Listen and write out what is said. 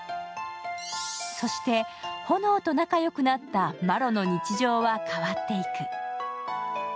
そして炎と仲よくなったマロの日常は変わっていく。